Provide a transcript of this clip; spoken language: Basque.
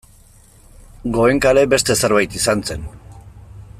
Goenkale beste zerbait izan zen.